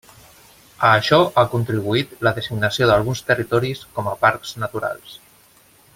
A això ha contribuït la designació d'alguns territoris com a parcs naturals.